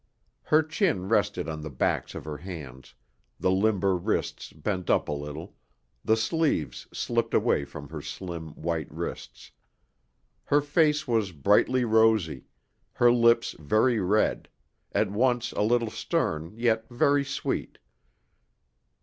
Her chin rested on the backs of her hands, the limber wrists bent up a little, the sleeves slipped away from her slim, white wrists. Her face was brightly rosy, her lips very red at once a little stern, yet very sweet.